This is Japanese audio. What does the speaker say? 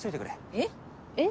えっ？えっ？